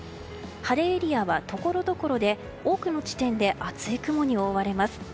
晴れエリアはところどころで多くの地点で厚い雲に覆われます。